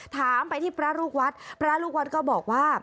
ถามไปที่พระลูกวัดพระลูกวัดก็บอกว่า